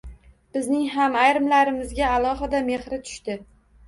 Bizning ham ayrimlarimizga alohida mehri tushdi.